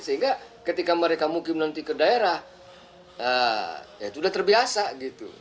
sehingga ketika mereka mungkin nanti ke daerah ya itu sudah terbiasa gitu